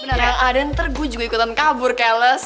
bener yang ada ntar gue juga ikutan kabur keles